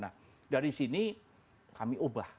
nah dari sini kami ubah